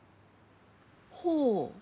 ほう。